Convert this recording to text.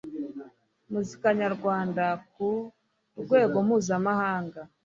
“muzika nyarwanda ku rwego mpuzamahanga